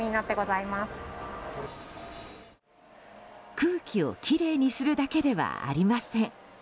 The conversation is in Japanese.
空気をきれいにするだけではありません。